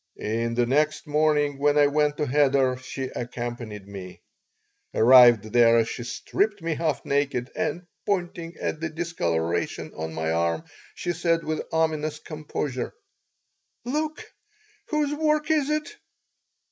The next morning when I went to cheder she accompanied me Arrived there, she stripped me half naked and, pointing at the discoloration on my arm, she said, with ominous composure: "Look! Whose work is it?"